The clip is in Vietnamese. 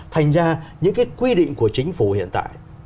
thành ra những cái quy định của chính phủ hiện tại